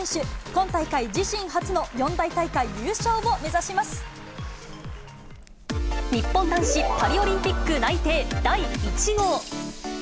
今大会、自身初の四大大会優勝を日本男子、パリオリンピック内定第１号。